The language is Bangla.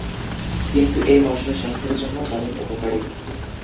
কিন্তু এই মসলা স্বাস্থ্যের জন্যও দারুণ উপকারী।